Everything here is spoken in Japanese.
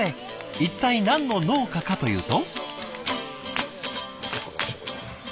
一体何の農家かというと。